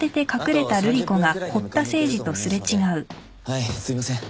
はいすいません